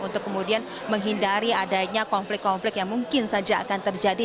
untuk kemudian menghindari adanya konflik konflik yang mungkin saja akan terjadi